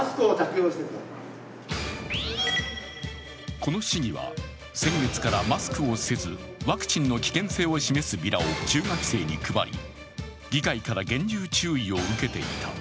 この市議は先月からマスクをせず、ワクチンの危険性を示すビラを中学生に配り議会から厳重注意を受けていた。